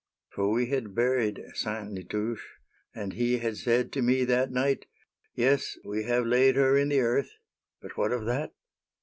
For we had buried Sainte Nitouche, And he had said to me that night :" Yes, we have laid her in the earth. But what of that